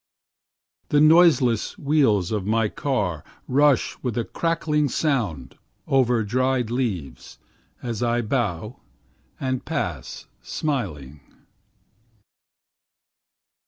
The noiseless wheels of my car rush with a crackling sound over dried leaves as I bow and pass smiling.